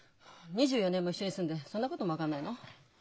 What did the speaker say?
２４年も一緒に住んでそんなことも分かんないの？